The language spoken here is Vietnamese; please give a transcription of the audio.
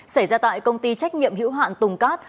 xảy ra tại công ty trách nhiệm hữu hạn tùng cát